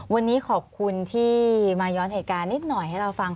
วันนี้ขอบคุณที่มาย้อนเหตุการณ์นิดหน่อยให้เราฟัง